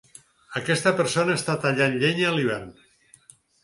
Aquesta persona està tallant llenya a l'hivern.